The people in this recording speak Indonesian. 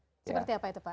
seperti apa itu pak